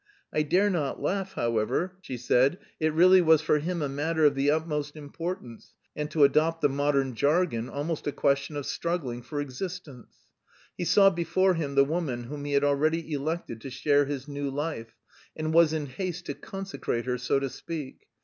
I dare not laugh, however. It really was for him a matter of the utmost importance, and to adopt the modern jargon, almost a question of struggling for existence." He saw before him the woman whom he had already elected to share his new life, and was in haste to consecrate her, so to speak.